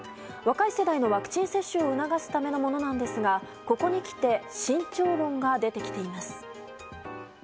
若い世代のワクチン接種を促すためのものなんですがここに来て慎重論が出てきています。